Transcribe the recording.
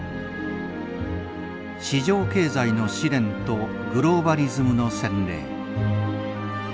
市場経済の試練とグローバリズムの洗礼。